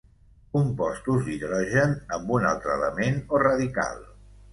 Compostos d'hidrogen amb un altre element o radical.